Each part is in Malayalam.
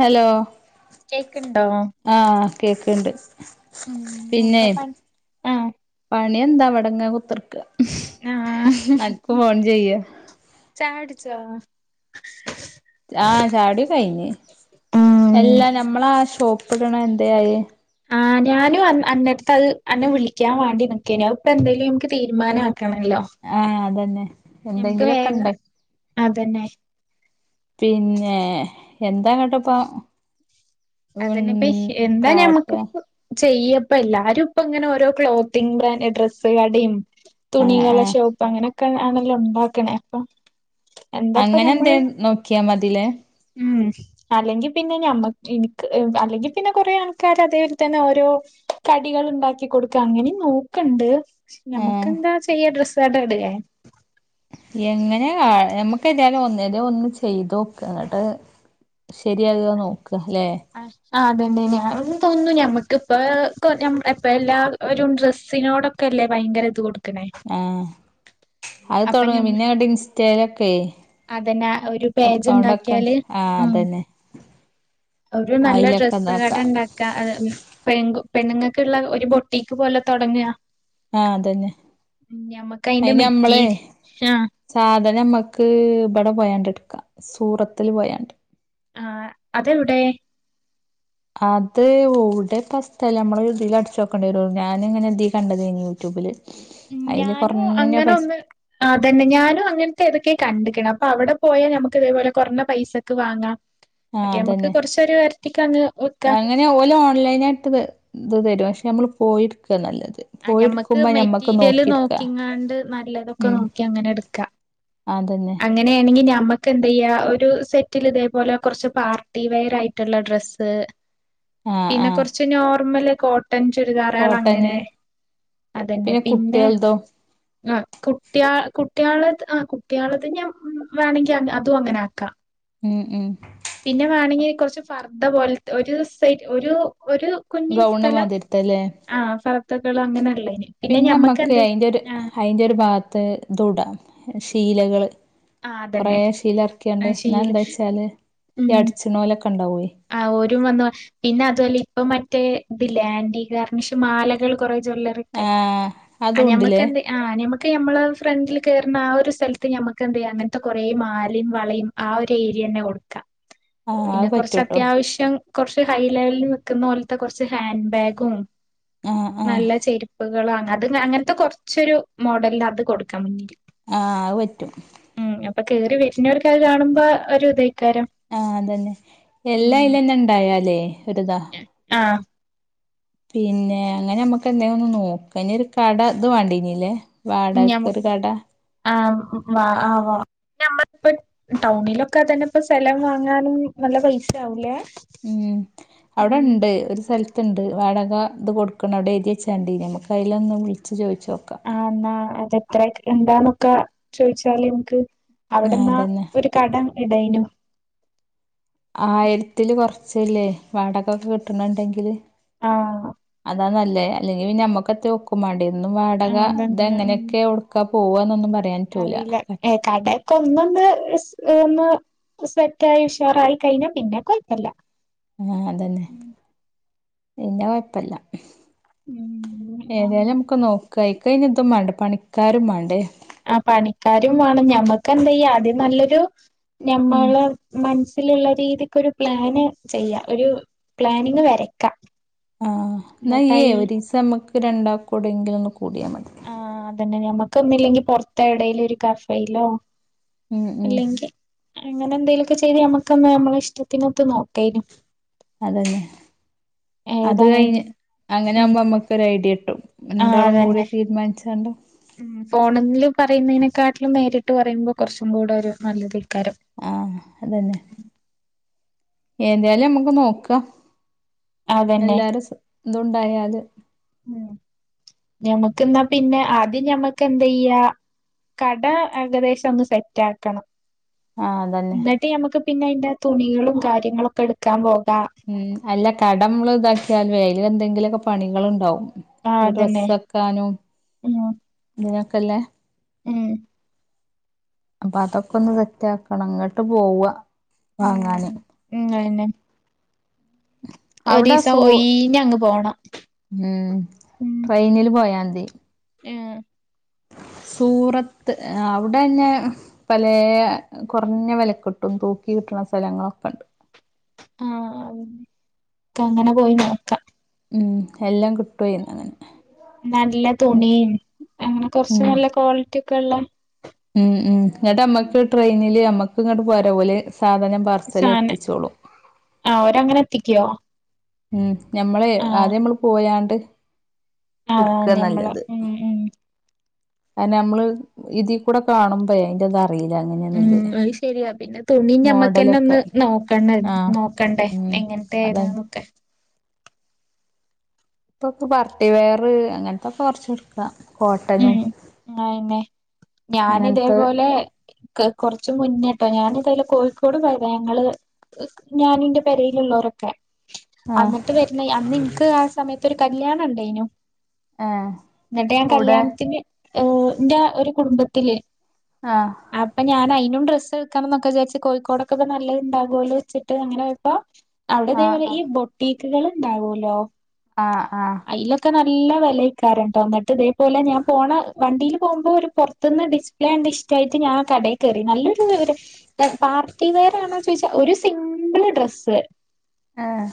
ഹലോ കേൾക്കുണ്ടോ? ആഹ് കേക്കണ്ട് ഉം പിന്നെ എന്താ പണി ആഹ് പണി എന്താ ഇവിടെ എങ്ങനെ കുത്തിർക്ക. ആ ഹ് ഹ് ചെയ്യ ചായ കുടിച്ചോ ആഹ് ചായ കുടി കഴിഞ്ഞ് ഉം അല്ല ഞമ്മളാ ഷോപ്പ് ഇട്ണ എന്തേ ആയി ആ ഞാനും അന്നെ അന്നടുത്ത് അത് അന്നെ വിളിക്കാം വാണ്ടി നിക്കേന് അത് ഇപ്പ എന്തേലും നമക്ക് തീരുമാനാക്കണല്ലോ ആഹ് അതന്നെ നമുക്ക് എന്തെങ്കിലൊക്കെ ഉണ്ട വേഗം അതന്നെ പിന്നെ എന്താ കേട്ടപ്പോ അതന്നെപ്പ ഹി എന്താ കാട്ട ഞമ്മക്കിപ്പ ചെയ്യപ്പ എല്ലാരും ഇപ്പ ഇങ്ങനെ ഓരോ ക്ലോത്തിങ് ഡ്രസ്സ് കടെം ആഹ് തുണികളെ ആഹ് ഷോപ്പ് അങ്ങനെ ഒക്കെ ആണല്ലോ ഉണ്ടാക്കണേ അപ്പൊ എന്താപ്പ അങ്ങനെ ഞമ്മള് എന്തേം നോക്കിയാ മതി ലെ ഉം അല്ലെങ്കി പിന്നെ ഞമ്മ എനി ക്ക് അല്ലെങ്കി പിന്നെ കൊറേ ആൾക്കാര് അതേൽ തന്നെ ഓരോ കടികൾ ഉണ്ടാക്കി കൊടുക്ക അങ്ങനെം നോക്ക്ണ്ട് നമുക്ക് ആഹ് എന്താ ചെയ്യാ ഡ്രസ്സ് കട ഇടെ എങ്ങനെ [unintelligible] ഞ്ഞമ്മക്ക് എന്തായാലും ഒന്നലെ ഒന്ന് ചെയ്തോക്ക അങ്ങട്ട് ശരിയാകോ നോക്ക അല്ലെ ആ ആ അതന്നെ ഞാൻ തോന്നുന്നു ഞമ്മക്ക് ഇപ്പ കോറ്റം ഇപ്പ എല്ലാ ഒരു ഡ്രസ്സിനോടൊക്കെ അല്ലേ ഭയങ്കര ഇത് കൊടുക്ക്ണേ ആഹ് അത് തൊടങ്ങും ഞമ്മ പിന്നെങ്ങണ്ട് ഇൻസ്റ്റെലൊക്കെയ് അതന്നെ ഒരു പേജ്ണ്ടാക്കിയാല് ആ ഉം അതന്നെ ഒരു നല്ല അയിലൊക്കെ ഡ്രസ്സ് കട ഇതാക്കാം ഉണ്ടാ ക്കാ ൻ പെണ് കു പെണ്ണ്ങ്ങക്ക്ള്ള ഒരു ബൊട്ടീക്ക് പോലെ തൊടങ്ങ ആഹ് അതന്നെ ഞമ്മക്ക് അയിന്റെ അയിന് മെറ്റീ നമ്മളെ ആഹ് സാധനം നമ്മക്ക് ഇബടെ പോയാണ്ട് ഇട്ക്കാം സൂറത്തില് പോയാണ്ട് ആഹ് അതെവിടെ അത് എവ്ടെ ഇപ്പ സ്ഥലം നമ്മള് ഇതില് അടിച്ച് നോക്കേണ്ടി വരും ഞാനിങ്ങനെ ഇതീ കണ്ടതേയ്ന്ന് യൂട്യൂബില് അയില് കൊറഞ്ഞ പൈസ ആ അതന്നെ ഞാനും അങ്ങൻത്തെ ഏതൊക്കെ കണ്ട്ക്ക്ണ് അപ്പൊ അവടെ പോയാ ഞ്ഞമ്മക്ക് ഇതേ പോലെ കൊറഞ്ഞ പൈസക്ക് വാങ്ങാം ആ മറ്റെ ഞ്ഞമ്മക്ക് അതന്നെ കൊറച്ചൊരു വരറ്റിക്കങ്ങനെ വക്കാ അങ്ങനെ ഓല് ഓൺലൈനായിട്ട് ഇത് ഇത്‌ തരും പക്ഷെ നമ്മള് പോയിട്ക്കാ നല്ലത് ആഹ് പോയി ഞമ്മക്ക് എടുക്കുമ്പോ ഞമ്മക്ക് മെറ്റീരിയല് നോക്കി എടുക്കാ നോക്കിങ്ങാണ്ട് നല്ലതൊക്കെ ഉം നോക്കി അങ്ങനെ എടുക്കാ അതന്നെ അങ്ങനേണെങ്കി ഞ്ഞമ്മക്കെന്ത് ചെയ്യാ ഒരു സെറ്റില് ഇതേപോലെ കൊറച്ച് പാർട്ടീ വെയറായിട്ടുള്ള ഡ്രസ്സ് [inaudible] പിന്നെ ആ കൊറച്ച് നോർമ്മല് കോ ട്ടൺ ചുരിദാറേള് കോട്ടന് അങ്ങനെ അതന്നെ പിന്നെ ആഹ് കുട്ട്യേ കുട്ട്യേളത് ആ കുട്ട്യേളത് ഞ്ഞാൻ ഉം വേണെങ്കി അതും അങ്ങനെ ആക്കാം ഉം ഉം പിന്നെ വേണങ്കി കൊറച്ച് പർദ്ദ പോൽത്തെ ഒരു സൈ ഒരു ഒരു കുഞ്ഞി ഗൗണ് സ്ഥലം മാതിരിത്തല്ലേ ആ ഫർദ്ദക്കെയുള്ള അങ്ങനെ ഉള്ളേന് പിന്നെമ്മക്ക് അയിന്റെ ഒരു അയിന്റെ ഒരു ഭാഗത്ത് ഇതും ഇടാം ശീലകള് ആഹ് കൊറേ അതന്നെ ശീല ആ, എറക്കിങ്ങാണ്ട് എന്നാ ശീല എന്താ വച്ചാല് ഈ അടിച്ച്ണോലൊക്കെ ഉണ്ടാവേയ ആ ഓരും വന്ന് ഭക്ഷ് പിന്നെ അതും അല്ല ഇപ്പ മറ്റേ ഇതില്ലേ ആന്റി ഗാർണിഷ് മാലകള് കൊറേ ജ്വല്ലറി ഓക്കെ ആഹ് ആ ഞമ്മക്ക് അതുണ്ടില്ലേ എന്തെ ആഹ് ഞമ്മക്ക് ഞമ്മളെ ഫ്രണ്ടിൽ കേറുന്ന ആ ഒരു സൽത്ത് ഞമ്മക്ക് എന്തെയ്യ അങ്ങൻത്തെ കൊറേ മാലിം വളിം. ആ ഒര് ഏര്യന്നെ കൊട്ക്ക ആഹ് അത് പിന്നെ കൊറ്ച്ച് പറ്റൂട്ടോ അത്യാവിശ്യം കൊറച്ച് ഹൈ ലെവല്ല് നിക്കുന്നോല്ത്തെ കൊറച്ച് ഹാൻഡ് ബാഗും ആഹ് ആഹ് നല്ല ചെര്പ്പ്കളാണ്. അത് അങ്ങൻത്തെ കൊറച്ചൊരു മോഡല്ല് അത് കൊടുക്കാ മുന്നില്. ആ അത് പറ്റും. ഉം അപ്പൊ കേറി വെര്നോർക്ക അത് കാണുമ്പോ ഒരു ഇതേയ്ക്കാരം. ആഹ് അതന്നെ. എല്ല അയ്ലെന്നെ ഇണ്ടായാലേ ഒര്ത. ആഹ്. പിന്നെ അങ്ങനെ അമ്മക്ക് എന്തെ ഒന്ന് നോക്ക. ഇഞ് ഒരു കട ഇത് വാണ്ടീനിലെ. വാടകക്ക് ഒര് കട. ആ വ ആ വ. ഞമ്മൾ ഇപ്പ ടൗണിലൊക്കെ തന്നെ ഇപ്പ സെലം വാങ്ങാനും നല്ല പൈസ ആകുംലേ. ഉം അവ്ടെ ഇണ്ട് ഒരു സെൽ ത്ത്ണ്ട് വാടക ഇത് കൊട്ക്ക്ണ്. ഔടെ എയ്തിവെച്ചെണ്ടീനി. അമക്ക് അയിലൊന്ന് വുൾച്ച് ചോയിച്ചോ ആ ഇന്നാ അതെത്ര എന്താന്നൊക്കെ ചോയ്ച്ചാല് ഞമക്ക് ആ അവിടെന്ന അതന്നെ ഒര് കടം ഇടേയ്നു. ആയിര്ത്തില് കൊറച്ച്ല്ലേ വാടകൊക്കെ കിട്ട്ണ ഇണ്ടെങ്കില്. ആഹ് അതാ നല്ലേ. അല്ലെങ്കി പിന്നെ അമ്മക്കത്തെ ഒക്കും വാണ്ടെ. എന്നും വടക ഇത് അതന്നെ എങ്ങനെക്കെ ഒക്കെ പോവാന്നൊന്നും പറ അറീല്ല. എ കടേക്കെ ഒന്നൊന്ന് ഒന്ന്. സ്പെറ്റായി ഉഷാറായി കഴിഞ്ഞ പിന്നെ കൊഴപ്പല്ല. ആഹ് അതന്നെ പിന്നെ കൊഴപ്പല്ല. ഏതായാലും ഉം അമക്ക് നോക്ക. അയിക്ക് അയ്‌ന് ഇതും മാണ്ടെ പണിക്കാരും മാണ്ടെ ആ പണിക്കാരും വാണം. ഞമ്മക്കെന്തെയ്യ അദ്യം നല്ലൊരു ഉം ഞമ്മളെ മനസ്സില്ള്ള രീതിക്ക് ഒരു പ്ലാന് ചെയ്യ. ഒരു പ്ലാനിങ് വരക്ക. ആഹ് ഇന്ന ഇയ്യെ എന്നിട്ടായി ഒരീസ അമ്മക്ക് രണ്ടാക്കു യൗടെങ്കിലൊന്ന് കൂട്യാ മതി. ആഹ് അതന്നെ ഞമ്മക്കൊന്നില്ലെങ്കി പൊറ്ത്തെ എവ്ടേലു ഒര് കഫേയിലൊ. ഉം ഉം അല്ലെങ്കി അങ്ങനെ എന്തെലു ഒക്കെ ചെയ്ത് ഞമ്മക്കെന്നെ ഞമ്മളെ ഇഷ്ടത്തിനൊത്ത് നോക്കേയ്നി. അതെന്നെ. അത് ഏതാ എ കഴിഞ്ഞ് അങ്ങനെ ഉം ആകുമ്പോ അമ്മക്കൊര് ഐഡ്യ കിട്ടും. ആ രണ്ടാളും അതന്നെ കൂടി തീരുമാൻച്ചാണ്ട്. ഉം ഫോണില് പറയുന്നേനേക്കാട്ടിലും നേരിട്ട് പറയുമ്പോ കൊറച്ചും കൂടെ ഒരു നല്ലതെയ്ക്കാരം. ആഹ് അതന്നെ. ഏതായാലും അമ്മക്ക് നോക്കാ. അതന്നെ എല്ലാരും സ് ഇതുണ്ടായാല്. ഞമ്മക്ക് ഇന്നാ പിന്നെ ആദ്യം ഞമ്മക്ക് എന്തെയ്യ. കട ഏകദേശം ഒന്ന് സെറ്റ് ആക്കണം. ആഹ് അതന്നെ. ഇന്നട്ട് ഞമ്മക്ക് പിന്നെ അയിന്റെ തുണികളും കാര്യങ്ങളൊക്കെ ഇട്ക്കാൻ പോകാ. ഉം അല്ല കട അമ്മള് ഇതാക്കിയാല്വെ അയില് എന്തെങ്കിലൊക്കെ പണികള്ണ്ടാവും. ആഹ് ഈ അതന്നെ ഡ്രസ്സെക്കാനും ഉം ഇതിനൊക്കെല്ലെ. ഉം അപ്പൊ അതൊക്കെ ഒന്ന് സെറ്റ് ആക്കണം. ഇങ്ങട്ട് പോവ ഉം വാങ്ങാന്. ഉം അഹെന്നെ. അവിടെ ഒരീസം സൂ ഒയിഞ്ഞങ്ങ് പോണം ഉം ഉം ട്രൈനില് പോയാംതി ഏഹ് സൂറത്ത് അവിടെന്നെ പലേ കൊർഞ്ഞ വെലക്ക്ട്ടും തൂക്കി കിട്ട്ണ സ്ഥലങ്ങളൊക്കെണ്ട് ആഹ് അതന്നെ പ്പ അങ്ങനെ പോയി നോക്കാ ഉം എല്ലാം കിട്ടുവയ്ന്നഅങ്ങനെ നല്ല തുണിം അങ്ങനെ കൊർസ് ഉം നല്ല ക്വാളിറ്റിക്കെള്ളേ ഉം ഉം ന്നിട്ട് അമ്മക്ക് ട്രൈയ്നില് അമ്മക്ക് ഇങ്ങട്ട് പോര ഓല് സാധനം പാർസൽ സാന എത്തിച്ചോളും ആഹ് ഓരങ്ങനെത്തിക്ക്യോ ഉം ഞമ്മളെ ആദ്യമ്മള് പോയാണ്ട് ആഹ് ഞമ്മള് ഇട്ക്കാനല്ലത് ഉം ഉം അയിനമ്മള് ഇതികൂടെ കാണുമ്പയ് അയ്ന്റെ ധാ അറീല അങ്ങനെ ഉം അയ് ശരിയാ പിന്നെ തുണി മോഡലൊക്കെ ഞമ്മകന്നൊന്ന് നോക്കണേര്ന്ന് ആഹ് നോക്കണ്ടേ ഉം അതാണ് എങ്ങൻത്തെതാന്നൊക്കെ പ്പൊക് പാർട്ടി വെയറ് അങ്ങൻത്തൊക്കെ കൊർച്ചെട്ക്ക പാ കോട്ട ഉം അയന്നെ ഞാന് അങ്ങനത്തെ തേപോലെ ക്ക കൊറച്ചു മുന്നേട്ടോ ഞാനിതായാലും കോയിക്കോട് പോയതാ ഞങ്ങള് ക് ഞാനിൻന്റെ പെരെല്ള്ളോരൊക്കെ ആഹ് അങ്ങ്ട്ട് വര്ന്നയ്അന്നിൻക്ക് ആഹ് സമയത്തൊരു കല്യാണംണ്ടയ്നു എഹ് കൂടെ പിന്നെ ന്റെ ഒരു കുടുംബത്തില് ആഹ് അപ്പഞാനയ്നും ഡ്രസ്സ്ക്കണം ന്നൊക്കെ വിജാര്ച്ച് കോഴിക്കോടക്കെപനല്ലത് ണ്ടാഗോല്ലോച്ചിട്ട് അങ്ങനെയപ്പോ ആഹ് അവിടെതേപോലെ ആഹ് ഈ ബൊട്ടീക്ക്കള് ണ്ടാവോല്ലോ ആഹ് ആഹ് ഐലൊക്കെ നല്ല വെലയ്ക്കാരംട്ടോ ന്നിട്ട്ദെ പോലെ ഞാൻ പോണ വണ്ടീല് പോവുമ്പോ ഒരു പൊർത്ത്ന്ന് ഡിസ്പ്ലേണ്ട് ഇഷ്റ്റയ്റ്റ് ഞാൻ കടേ കേറി നല്ലൊരു ര്താണ് പാർട്ടി വെയറാണോ ചോയ്ച്ചാ ഒരു സിമ്പിള് ഡ്രസ്സ് ഏഹ്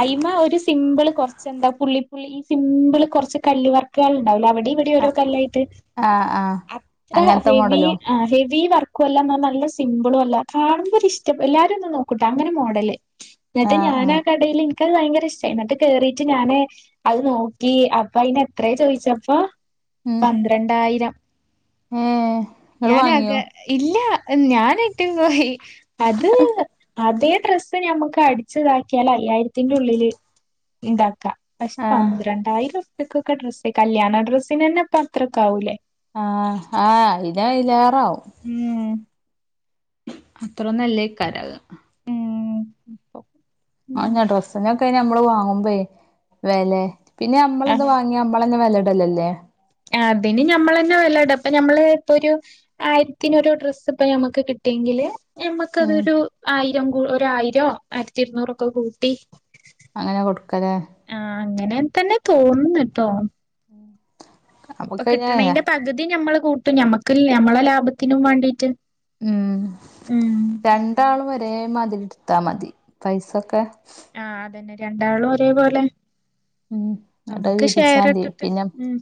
അയ്മ ഒര് സിംമ്പ്ള് കൊർച്ച് എന്താ പുള്ളിപ്പുള്ളി സിമ്പിള് കൊർച്ച് കല്ല് വർക്കേൾണ്ടാവുല്ലോ അവിടെ ഇവി ട്യേ ഒരോ കല്ലായിട്ട് ആഹ് ആഹ് അത്ര അങ്ങനത്തെ ഹെവീ മോഡലോ ആഹ് ഹെവീ വർക്കൊല്ലന്ന നല്ല സിമ്പളു അല്ല കാണ് മ്പോരിഷ്ട്ടം എല്ലാരു ഒന്ന് നോക്കുട്ടാ അങ്ങനെ മോഡല് [inaudible] ന്നിട്ട് ആഹ് ഞാനാ കടേല് കത് ഭയങ്കരഷ്റ്റായി ന്നിട്ട് കേറീറ്റ് ഞാന് അത് നോക്കീ അപ്പൊ അയ്നത്രേ ചോയിച്ച പ്പോ ഉം പന്ത്രണ്ടായിരം ഏഹ് ഇങ്ങള് വാങ്ങിയോ ഞാനാകെ ഇല്ല ഞാനയിട്ട് പോയി അത് അതേ ഡ്രസ് ഇപ്പഞമക്ക് അടിച്താക്ക്യാല അയ്യായിരത്തിന്റെ ഉള്ളില് ഇണ്ടാക്കാ പഷ് ആഹ് പന്ത്രണ്ടായിരം പ്യക്കൊക്കെ ഡ്രസ്സ് കല്യാണ ഡ്രസ്സിനന്നെ പ അത്രക്കാവൂലേ ആഹ് ആഹ് അയ്ന് അയ്ലേറാവും ഉം അത്രനല്ലേകാരാക ഉം ആ ഞാ ഉം ഡ്രസിനൊക്കെയ്ന് നമ്മള് വാങ്ങുമ്പോ വില പിന്നെ നമ്മള് എന്താ വാ ങ്ങി ഞമ്മളന്നെ വെല ഇടലല്ലേ ആഹ് അതിന് ഞമ്മളന്നെ വെലട ഇപ്പം ഞമ്മള് ഇപ്പൊരു ആയിരത്തിനൊരു ഡ്രസ്സ് ഇപ്പ ഞമക്ക് കിട്ടിയെങ്കില് ഉം ഞമ്മക്കതൊരു ആയിരം ആയിരം ആയിരത്തി ഇരുന്നൂറൊക്കെ കൂട്ടി അങ്ങനെ കൊടുക്കലേ ആഹ് അങ്ങനെ തന്നെ തോന്നുന്നുട്ടോ ഇപ്പൊ നമുക്കയിന് കിട്ട് ണേന്റെ പകുതി ഞമ്മള് കൂട്ടും ഞമ്മക്ക് ഞമ്മളെ ലാഭത്തിനും വാണ്ടീട്ട് ഉം രണ്ടാളും ഒരേ മാതിരി ട്ത്താ മതി പൈസൊക്കെ ആഹ് അതന്നെ രണ്ടാളും ഒരേപോലെ ഉം ഇങ്ങട്ട ഹ് നമ്മക്ക് വീതിച്ചാ ഷെയർ തീ ഇട്ടിട്ട് പിന്നെ ഉം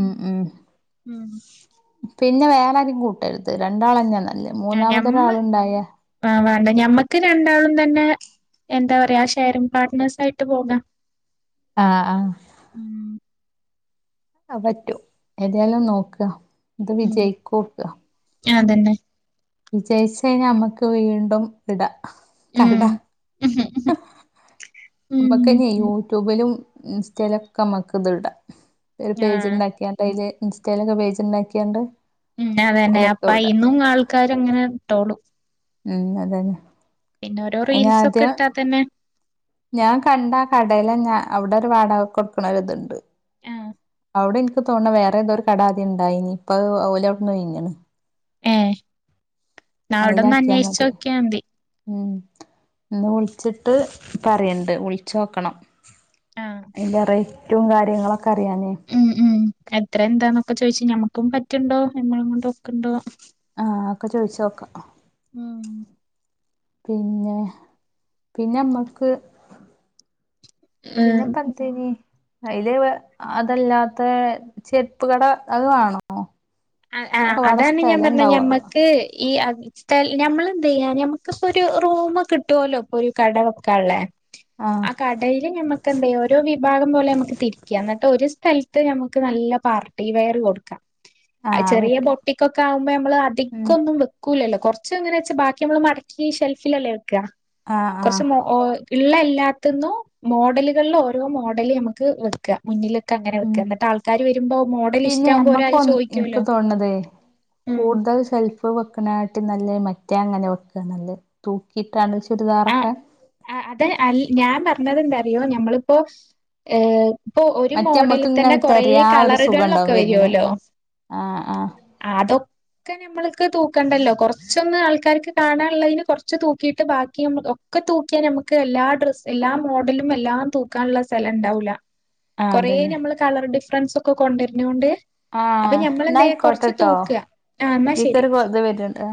ഉം ഉം ഉം പിന്നെ വേറെ ആരിം കൂട്ടരുത് രണ്ടാളന്നെ ന ആ ഞമ്മ ആ വേണ്ട ഞമ്മക്ക് രണ്ടാളും തന്നെ എന്താ പറയാ ഷെയറിൻ പാർട്നേഴ്സ് ആയിട്ട് പോകാം ആഹ് ആഹ് ഉം അഹ് പറ്റും ഏതായാലും നോക്ക ഇത് വിജയിക്കോക്ക ഞാ തന്നെ വിജയിച്ച് കഴിഞ്ഞാ നമ്മക്ക് വീണ്ടും ഇടാ കട ഉം ഉം നമ്മക്ക് ന്നെ യൂട്യൂബിലും ഇൻസ്റ്റയിലൊ ക്കെ നമ്മക്ക് ഇത് ഇടാ ഒര് പേജ് ആഹ് ണ്ടാക്കിയാൽ ട്ടയില് ഇൻസ്റ്റയിലൊക്ക പേജ് ണ്ടാക്കിയാണ്ട് ഉം അതന്നെ അപ്പയിന്നും ആൾക്കാര അങ്ങനെ ഇട്ടോളും ഉം അതന്നെ പിന്നെ ഓരോ റീൽസ് ഒക്കെ ഇട്ടാ തന്നെ ഞാ കണ്ട ആ കടയില ന്നെ അവിടെ ഒരു വാടക ക്ക് കൊടുക്ക്ണര്ത്ണ്ട് ആഹ് അവിടെ ഇൻക്ക് തോൺ ണേവേറെ ഏതോ ഒരു കട ആദ്യം ണ്ടായിനി ഇപ്പ ഹ് ഓല അവ്ട്ന്ന് ഒഴിഞ്ഞ്ണ് ഏഹ് ന്നാ അവിടൊന്ന് അയിലാക്കിയാ മതി അന്വേഷിച്ചോ ക്യാ ദി ഉം ഇന്ന് വിൾച്ചിട്ട് പറയണ്ട് വിൾ ച്ചോക്കണം ആഹ് അയിന്റെ റൈറ്റും കാര്യങ്ങളൊക്കെ അറിയാനേ ഉം ഉം എത്ര എന്താന്നൊക്കെ ചോയിച്ച് ഞമ്മക്കും പറ്റ്ണ്ടോ ഞമ്മള കൊണ്ട് ഒക്ക്ണ്ടോ ആ ഒക്കെ ചോയിച്ചോക്ക ഉം പിന്നെ പിന്നെ നമ്മക്ക് ഏഹ് പിന്നെപ്പ എന്തേ നീ അയില് അതല്ലാത്തെ ചെര്പ്പ്കട അത് വാണോ ആ ആ അതാണ് ഞാ പറ്ഞ്ഞേ ഞമ്മക്ക് ഈ [unintelligible] സ്ത്തൽ ഞമ്മള് ന്തയ്യാ ഞമ്മക്ക്പ്പോ ഒരു റൂമ് കിട്ടോല്ലോ ഇപ്പൊ രു കട വെക്കാള്ളെ ആഹ് ആ ക ടയില് നമ്മക്ക് എന്തയ്യ ഓരോവിഭാഗം പോലെ നമ്മക്ക് തിരിക്ക ഇന്നട്ട് ഒരു സ്ഥലത്ത് നമുക്ക് നല്ല പാർ ട്ടീ വെയർ കൊടുക്ക അഹ് ആഹ് അത് ചെറിയ പറ്റും ബൊട്ടിക്കൊക്കെ ആവുമ്പ നമ്മള് അധി ഉം കൊന്നും വെ ക്കൂലല്ലോ കൊറച്ച് എങ്ങനെ ച്ച ബാക്കി നമ്മള് മടക്കി ഷെൽഫിലല്ലേ വെക്കാ ആഹ് കൊറച്ച് ആഹ് മോ ള്ള എല്ലാത്തിന്നും മോഡലുകളിൽ ഓരോ മോഡല് നമുക്ക് വെക്ക ക്ക മുന്നില് ക്കങ്ങനെ ഉം വെക്ക ന്നട്ട് ആൾക്കാര് വരുമ്പം മോഡല് ഇഷ്ടാവുമ്പോ ഓരാ രേ ചോയി ഇക്ക് തോണ്തേ കൂടുതൽ ഷെൽഫ് വെക്ക് ണേ ട്ടിം നല്ലേ മറ്റേ അങ്ങനെ വെക്ക നല്ലേ തൂക്കിട്ടാണ് ചുരിദാറൊക്കെ ആ അത് അൽ ഞാൻ പറഞ്ഞത് എന്താറിയോ ഞമ്മളിപ്പോ ഏഹ് ഇപ്പൊ ഒരു മറ്റേ മോഡലിൽ നമ്മക്ക് തന്നെ ഇങ്ങനെ കൊറേ തെരയാ ഒരു സുഖം കളറുകളിലൊക്കെ ഉണ്ടാവും വരുന്ന് വരുവല്ലോ ആഹ് ആഹ് ആ തൊ ക്കെ നമ്മൾക്ക് തൂക്കണ്ടല്ലോ കൊറച്ചൊന്ന് ആൾക്കാർക്ക് കാണാള്ളയ്ന് കൊർച്ച് തൂക്കിയിട്ട് ബാക് ഒക്കെ തൂക്കിയാ നമുക്ക് എല്ലാ ഡ്രസ് എല്ലാ മോഡലും എല്ലാം തൂക്കാനുള്ള സ്ഥലം ണ്ടാവൂല ആഹ് കൊറെ അതന്നെ നമ്മള് കളർ ഡിഫറൻസ് ഒക്കെ കൊണ്ടര്നോണ്ട് അപ്പൊ ആഹ് എന്നാ ഞമ്മളെന്തെയ്യ കൊർച്ച് ആയിക്കോട്ടെട്ടോ തൂക്ക, ആഹ് ന്നാ ശരി ഇതിക്കൊരു ഇത് വരുന്നുണ്ട് ആ